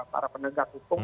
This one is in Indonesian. para penegak hukum